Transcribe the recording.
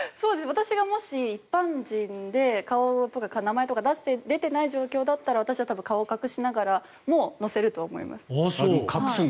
私がもし一般人で顔とか名前を出ていない状況だったら私は多分、顔を隠しながらも載せると思います。